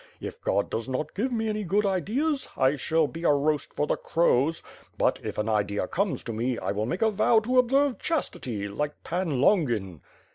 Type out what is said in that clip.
If God does not give me any good ideas, I shall be a roast for the crows; but, if an idea comes to me, I will make a vow to observe chastity, like Pan Longin."